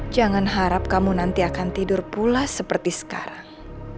jangan harap kamu nanti akan tidur pula seperti sekarang